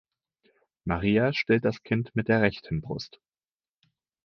Maria stillt das Kind mit der rechten Brust.